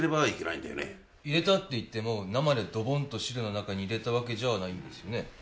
入れたっていっても生でドボンと汁の中に入れたわけじゃないんですよね？